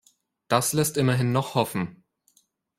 Das lässt immerhin noch hoffen.